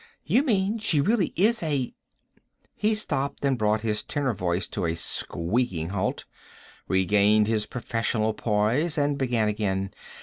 "You mean she really is a " He stopped and brought his tenor voice to a squeaking halt, regained his professional poise, and began again.